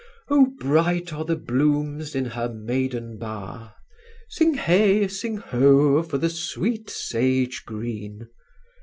_) Oh, bright are the blooms in her maiden bower. (_Sing Hey! Sing Ho! for the sweet Sage Green!